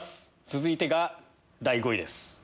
続いてが第５位です。